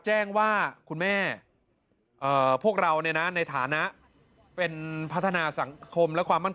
แจ้งว่าคุณแม่พวกเราในฐานะเป็นพัฒนาสังคมและความมั่น